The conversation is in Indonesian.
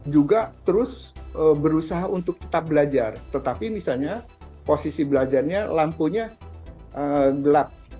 juga terus berusaha untuk tetap belajar tetapi misalnya posisi belajarnya lampunya gelap